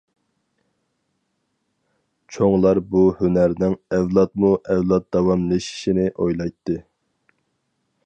چوڭلار بۇ ھۈنەرنىڭ ئەۋلادمۇ-ئەۋلاد داۋاملىشىشىنى ئويلايتتى.